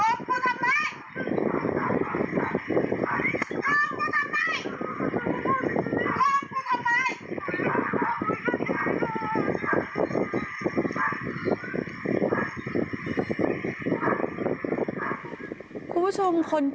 โอ้โหเป็นเกิดขึ้นกันก่อนค่ะ